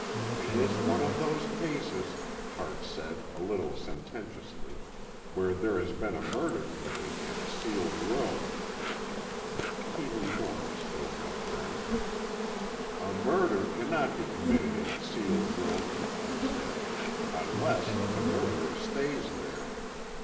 "It is one of those cases," Hart said, a little sententiously, "where there has been a murder committed in a sealed room." Keeley Moore spoke up then. "A murder cannot be committed in a sealed room," he said, "unless the murderer stays there.